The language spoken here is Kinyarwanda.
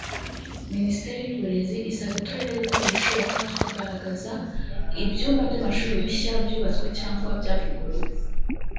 Ministeri y’Uburezi isaba uturere gukora ibishoboka tukagaragaza ibyumba by’amashuri bishya byubatswe cyangwa byavuguruwe